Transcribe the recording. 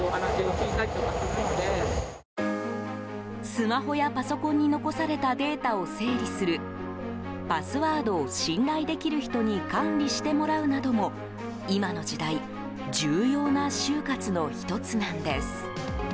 スマホやパソコンに残されたデータを整理するパスワードを信頼できる人に管理してもらうなども今の時代重要な終活の１つなんです。